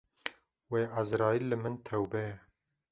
Wey Ezraîl li min tewbe ye